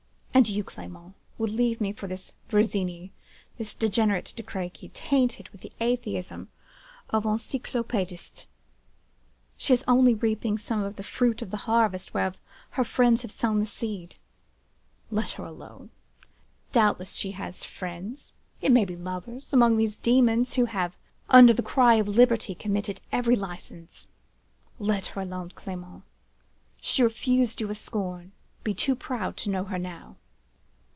And you, Clement, would leave me for this Virginie,—this degenerate De Crequy, tainted with the atheism of the Encyclopedistes! She is only reaping some of the fruit of the harvest whereof her friends have sown the seed. Let her alone! Doubtless she has friends—it may be lovers—among these demons, who, under the cry of liberty, commit every licence. Let her alone, Clement! She refused you with scorn: be too proud to notice her now.